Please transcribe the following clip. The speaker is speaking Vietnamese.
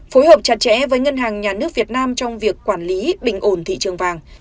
phối hợp chặt chẽ với ngân hàng nhà nước việt nam trong việc quản lý bình ổn thị trường vàng